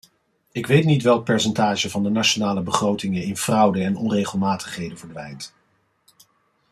Ik weet niet welk percentage van de nationale begrotingen in fraude en onregelmatigheden verdwijnt.